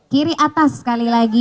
kiri atas sekali lagi